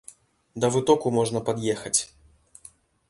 Да вытоку можна пад'ехаць.